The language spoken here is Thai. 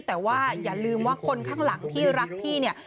แต่ว่าอย่าลืมว่าคนข้างหลังที่รักพี่เนี่ย